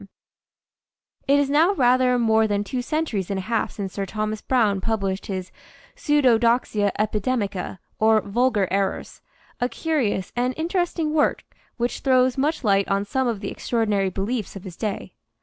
POPULAR FALLACIES AND COMMON ERRORS 179 It is now rather more than two centuries and a half since Sir Thomas Browne published his " Pse^udodoxia Epidemica," or " Vulgar Errors," a curious and interest ing work which throws much light on some of the extraor dinary beliefs of his day.